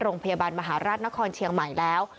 โรงพยาบาลมหาราชนครเชียงใหม่แล้ว